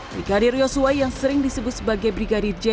brigadir yoso hota yang sering disebut sebagai brigadir j